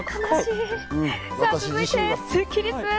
続いてはスッキりす。